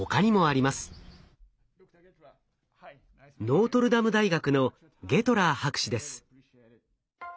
ノートルダム大学のゲトラー博士です。